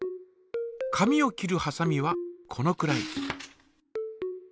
紙を切るはさみはこのくらい。